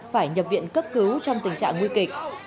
phải nhập viện cấp cứu trong tình trạng nguy kịch